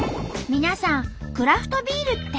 皆さんクラフトビールね。